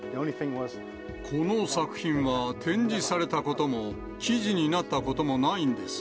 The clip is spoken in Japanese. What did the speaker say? この作品は、展示されたことも、記事になったこともないんです。